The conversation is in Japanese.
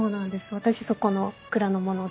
私そこの蔵の者で。